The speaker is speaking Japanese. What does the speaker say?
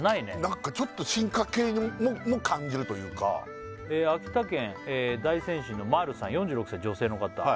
何かちょっと進化形も感じるというか秋田県大仙市のまるさん４６歳女性の方